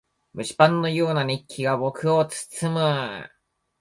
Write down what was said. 蒸しパンのような熱気が僕を包む。